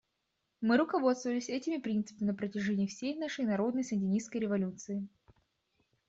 Мы руководствовались этими принципами на протяжении всей нашей народной сандинистской революции.